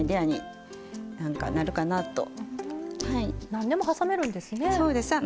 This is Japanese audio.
何でもはさめるんですね。